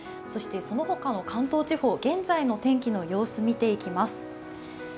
そしてそのほかの関東地方、現在の天気の様子、見ていきます。